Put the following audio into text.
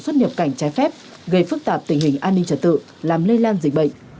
xuất nhập cảnh trái phép gây phức tạp tình hình an ninh trật tự làm lây lan dịch bệnh